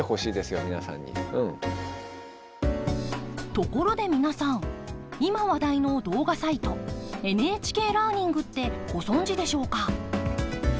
ところで皆さん今話題の動画サイトＮＨＫラーニングってご存じでしょうか？